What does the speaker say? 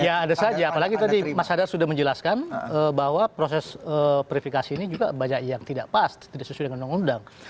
ya ada saja apalagi tadi mas hadar sudah menjelaskan bahwa proses verifikasi ini juga banyak yang tidak pas tidak sesuai dengan undang undang